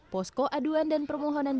posko aduan dan permohonan bantuan teh